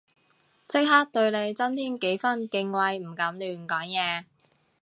即刻對你增添幾分敬畏唔敢亂講嘢